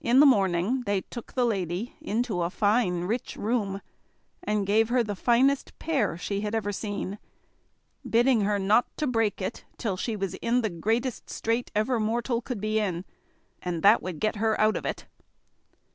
In the morning they took the lady into a fine and rich room, and gave her the finest pear she had ever seen, bidding her not to break it till she was in the greatest strait ever mortal could be in, and that would get her out of it.